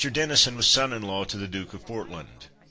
Denison was son in law to the Duke of Portland.